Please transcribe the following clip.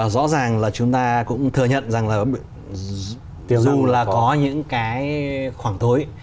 rõ ràng là chúng ta cũng thừa nhận rằng là dù là có những cái khoảng thối